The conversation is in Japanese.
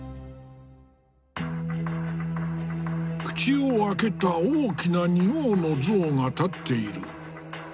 口を開けた大きな仁王の像が立っている。